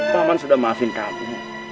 pak man sudah maafin kamu